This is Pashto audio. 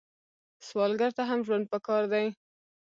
سوالګر ته هم ژوند پکار دی